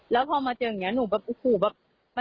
แล้วพอมาเจออย่างนี้หนูแบบ